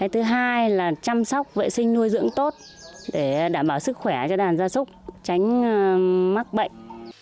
thứ hai là chăm sóc vệ sinh nuôi dưỡng tốt để đảm bảo sức khỏe cho đàn gia súc tránh mắc bệnh